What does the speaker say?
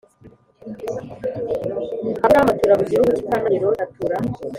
Aburamu atura mu gihugu cy i kanani loti atura